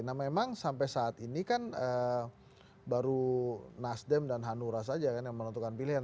nah memang sampai saat ini kan baru nasdem dan hanura saja kan yang menentukan pilihan